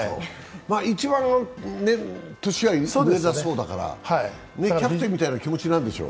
一番年が上だそうだから、キャプテンみたいな気持ちなんでしょ？